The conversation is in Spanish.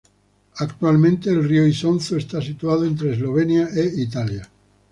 Actualmente el río Isonzo está situado entre Eslovenia e Italia.